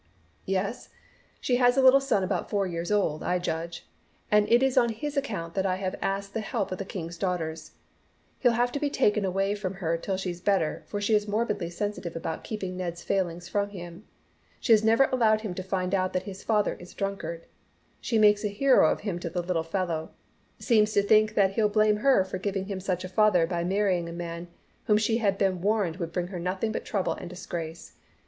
"Yes, she has a little son about four years old, I judge. And it is on his account that I have asked the help of the King's Daughters. He'll have to be taken away from her till she's better, for she is morbidly sensitive about keeping Ned's failings from him. She has never allowed him to find out that his father is a drunkard. She makes a hero of him to the little fellow. Seems to think that he'll blame her for giving him such a father by marrying a man whom she had been warned would bring her nothing but trouble and disgrace.